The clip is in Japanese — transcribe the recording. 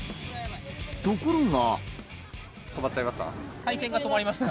ところが。